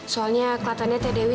soalnya kelihatannya t dewi